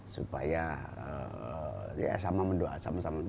supaya ya sama mendoa sama sama